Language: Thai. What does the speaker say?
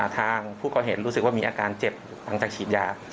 ทางผู้ก่อเหตุรู้สึกว่ามีอาการเจ็บหลังจากฉีดยา